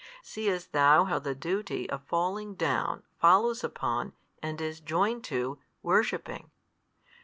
Seest thou how the duty of falling down follows upon, and is joined to, worshipping?